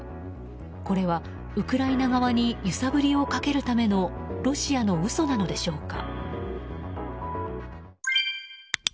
これは、ウクライナ側に揺さぶりをかけるためのロシアの嘘なのでしょうか。